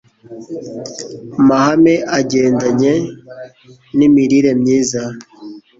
mahame agendanye nimirire myiza